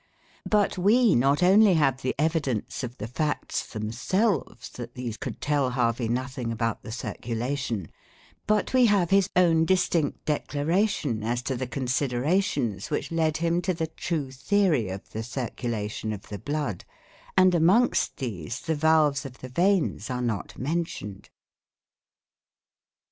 But we not only have the evidence of the facts themselves that these could tell Harvey nothing about the circulation, but we have his own distinct declaration as to the considerations which led him to the true theory of the circulation of the blood, and amongst these the valves of the veins are not mentioned.